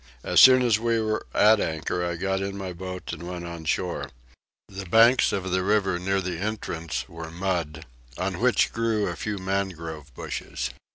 As soon as we were at anchor I got in my boat and went on shore. The banks of the river near the entrance were mud, on which grew a few mangrove bushes.